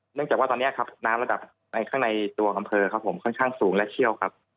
เนื่องจากว่าตอนนี้ครับน้ำระดับในข้างในตัวอำเภอครับผมค่อนข้างสูงและเชี่ยวครับ